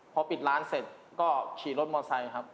พอปิดร้านเสร็จก็ขี่รถมอไซค์ครับ